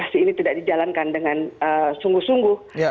vaksinasi ini tidak dijalankan dengan sungguh sungguh